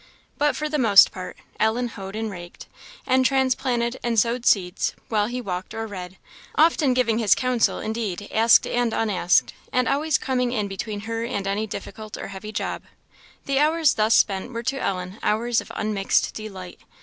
But, for the most part, Ellen hoed and raked and transplanted, and sowed seeds, while he walked or read; often giving his counsel, indeed, asked and unasked, and always coming in between her and any difficult or heavy job. The hours thus spent were to Ellen hours of unmixed delight.